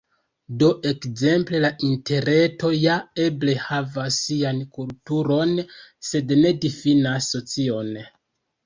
Do ekzemple la Interreto ja eble havas sian kulturon, sed ne difinas socion.